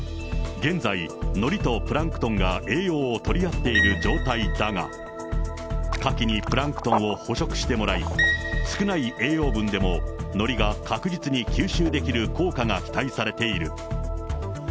現在、のりとプランクトンが栄養を取り合っている状態だが、カキにプランクトンを捕食してもらい、少ない栄養分でものりが確実に吸収できる効果が期待されている。